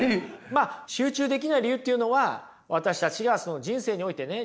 まあ集中できない理由っていうのは私たちが人生においてね